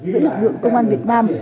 giữa lực lượng công an việt nam